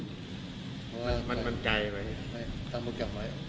มันมันไกลไปทำบุกรรมไว้